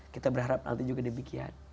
kita berharap nanti juga demikian